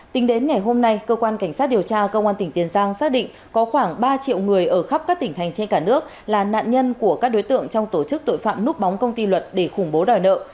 tính đến ngày hôm nay cơ quan cảnh sát điều tra công an tỉnh tiền giang xác định có khoảng ba triệu người ở khắp các tỉnh thành trên cả nước là nạn nhân của các đối tượng trong tổ chức tội phạm núp bóng công ty luật để khủng bố đòi nợ